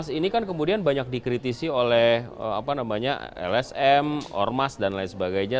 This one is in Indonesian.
jadi kan kemudian banyak dikritisi oleh lsm ormas dan lain sebagainya